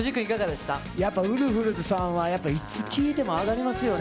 やっぱウルフルズさんは、やっぱいつ聴いても上がりますよね。